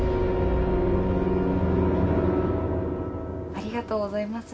ありがとうございます。